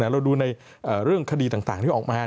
เราดูในเรื่องคดีต่างที่ออกมา